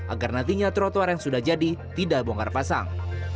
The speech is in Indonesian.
agar nantinya trotoar yang sudah jadi tidak bongkar pasang